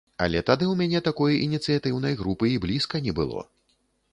Але тады ў мяне такой ініцыятыўнай групы і блізка не было.